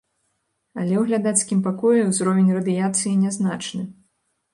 Але ў глядацкім пакоі ўзровень радыяцыі нязначны.